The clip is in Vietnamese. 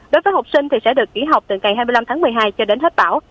đối với học sinh thì sẽ được nghỉ học từ ngày hai mươi năm tháng một mươi hai cho đến hết tảo